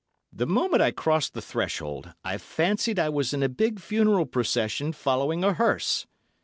The moment I crossed the threshold, I fancied I was in a big funeral procession following a hearse.